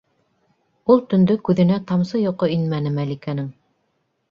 Ул төндө күҙенә тамсы йоҡо инмәне Мәликәнең.